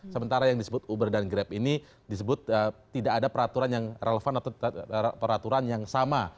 sementara yang disebut uber dan grab ini disebut tidak ada peraturan yang relevan atau peraturan yang sama